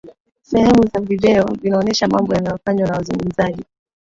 sehemu za video vinaonesha mambo yanayofanywa na wazungumzaji